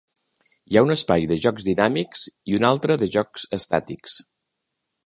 Hi ha un espai de jocs dinàmics i un altre de jocs estàtics.